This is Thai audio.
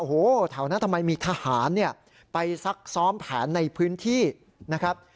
โอ้โหแถวนั้นทำไมมีทหารเนี่ยไปซักซ้อมแผนในพื้นที่นะครับ